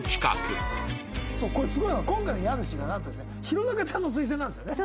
これすごいのが今回の家主がなんとですね弘中ちゃんの推薦なんですよね。